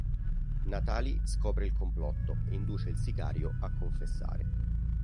Natalie scopre il complotto e induce il sicario a confessare.